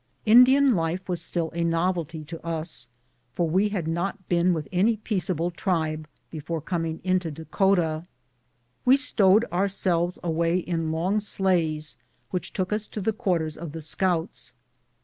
Indian life was still 133 BOOTS AND SADDLES. a novelty to us, for we had not been with any peaceable tribe before coming into Dakota. We stowed ourselves away in long sleighs which took us to the quarters of the scouts.